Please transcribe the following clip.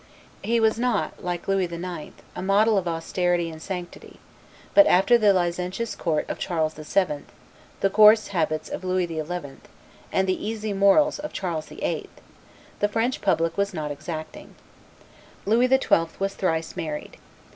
He was not, like Louis IX., a model of austerity and sanctity; but after the licentious court of Charles VII., the coarse habits of Louis XI., and the easy morals of Charles VIII., the French public was not exacting. Louis XII. was thrice married.